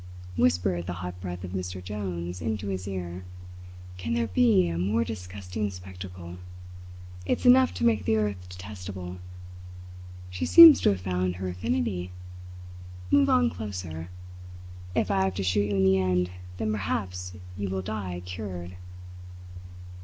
whispered the hot breath of Mr. Jones into his ear. "Can there be a more disgusting spectacle? It's enough to make the earth detestable. She seems to have found her affinity. Move on closer. If I have to shoot you in the end, then perhaps you will die cured."